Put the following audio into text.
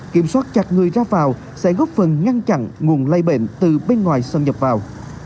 kiểm soát chặt người ra vào sẽ góp phần ngăn chặn nguồn lây bệnh từ bên ngoài xâm nhập vào